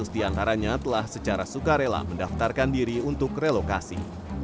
lima ratus diantaranya telah secara sukarela mendaftarkan diri untuk relokasi